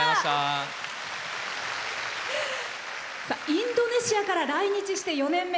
インドネシアから来日して４年目。